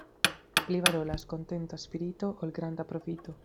Pli valoras kontenta spirito, ol granda profito.